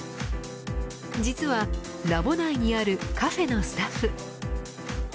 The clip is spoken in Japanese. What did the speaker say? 実はラボ内にあるカフェのスタッフ。